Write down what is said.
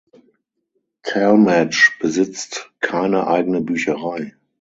Talmadge besitzt keine eigene Bücherei.